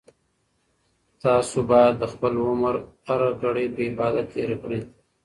تاسو باید د خپل عمر هره ګړۍ په عبادت تېره کړئ.